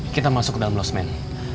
kita masuk ke dalam los men